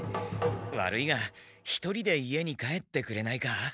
悪いが一人で家に帰ってくれないか。